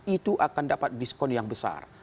itu akan dapat diskon yang besar